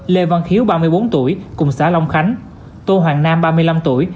lê văn hiếu ba mươi bốn tuổi cùng xã long khánh tô hoàng nam ba mươi năm tuổi